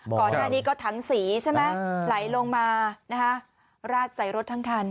ก่อนหน้านี้ก็ถังสีใช่ไหมไหลลงมานะคะราดใส่รถทั้งคัน